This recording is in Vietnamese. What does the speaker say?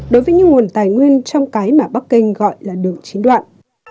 đối với những nguồn tài nguyên trong cái mà bắc kinh gọi là đường chín đoạn